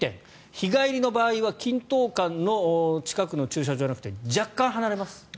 日帰りの場合は金湯館の近くの駐車場じゃなくて若干離れます。